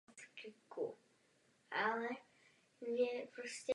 Čím dříve se tak stane, tím lépe.